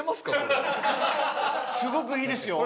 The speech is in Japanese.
すごくいいですよ。